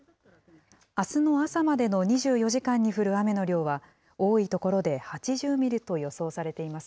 あすの朝までの２４時間に降る雨の量は多い所で８０ミリと予想されています。